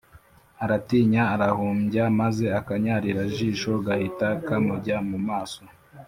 Aratinya arahumbya maze akanyarira jisho gahita kamujya mumaso